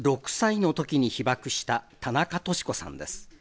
６歳のときに被爆した田中稔子さんです。